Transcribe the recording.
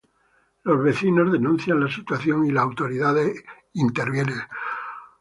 Los vecinos denuncian la situación y las autoridades intervienen.